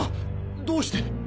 どうして！？